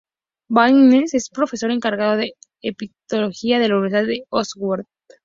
Baines es profesor encargado de Egiptología en la Universidad de Oxford.